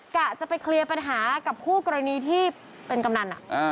กะจะไปเคลียร์ปัญหากับคู่กรณีที่เป็นกำนัน